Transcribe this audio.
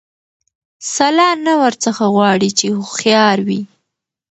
سلا نه ورڅخه غواړي چي هوښیار وي